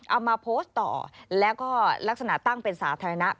เอามาโพสต์ต่อแล้วก็ลักษณะตั้งเป็นสาธารณะ